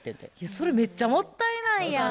それめっちゃもったいないやん。